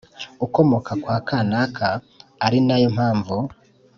ukomoka kwa kanaka ari nayo mpamvu